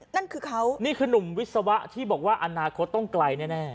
นั่นคือเขานี่คือนุ่มวิศวะที่บอกว่าอนาคตต้องไกลแน่